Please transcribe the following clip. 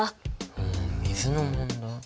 うん水の問題？